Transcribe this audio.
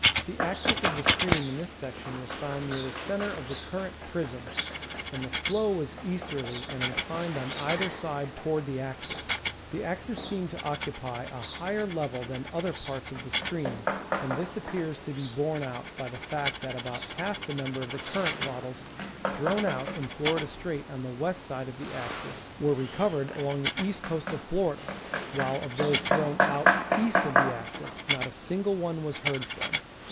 The axis of the stream in this section was found near the center of the current prism, and the flow was easterly and inclined on either side toward the axis. The axis seemed to occupy a higher level than other parts of the sti'eam, and this appears to be borne out by the fact that about half the number of the current bottles thrown out in Florida Strait on the west side of the axis were re Geogrwphy of the Sea. 143 covered along the east coast of Florida, while of those thi*own out east of the axis not a single one was heard from.